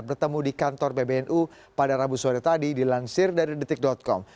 bertemu di kantor pbnu pada rabu sore tadi dilansir dari detik com